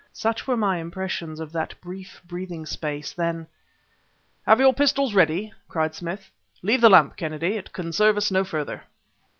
Such were my impressions of that brief breathing space; then "Have your pistols ready!" cried Smith. "Leave the lamp, Kennedy. It can serve us no further."